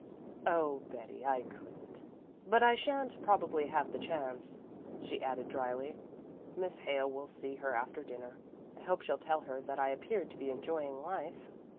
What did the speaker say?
"Oh, Betty, I couldn't. But I shan't probably have the chance," she added dryly. "Miss Hale will see her after dinner. I hope she'll tell her that I appeared to be enjoying life."